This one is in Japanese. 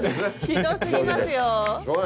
ひどすぎますよ。